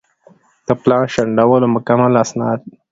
د پلان شنډولو مکمل اسناد